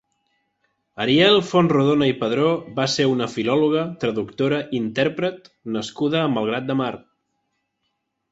Ariel Fontrodona i Padró va ser una filòloga, traductora, intèrpret nascuda a Malgrat de Mar.